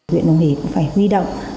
huyện nông hỷ cũng phải huy động